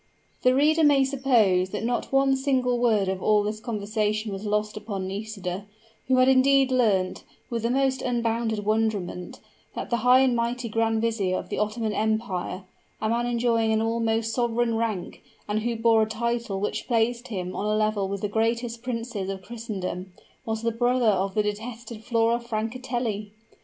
The reader may suppose that not one single word of all this conversation was lost upon Nisida, who had indeed learnt, with the most unbounded wonderment, that the high and mighty grand vizier of the Ottoman Empire a man enjoying an almost sovereign rank, and who bore a title which placed him on a level with the greatest princes of Christendom, was the brother of the detested Flora Francatelli!